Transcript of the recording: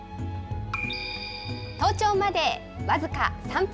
登頂まで僅か３分。